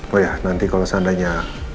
oh ya nanti kalau seandainya